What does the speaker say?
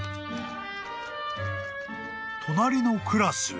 ［隣のクラスへ］